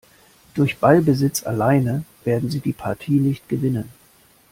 Durch Ballbesitz alleine werden sie die Partie nicht gewinnen.